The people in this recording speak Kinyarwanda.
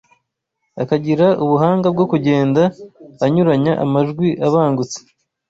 akagira ubuhanga bwo kugenda anyuranya amajwi abangutse